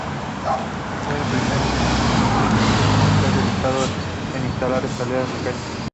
Fue el primer edificio comercial del Estado en instalar escalera mecánicas.